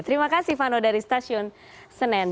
terima kasih silvano dari stasiun senen